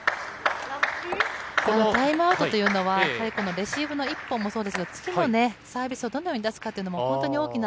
タイムアウトというのはレシーブの１本もそうですが次のサービスをどのように出すのかというのも本当に大きな。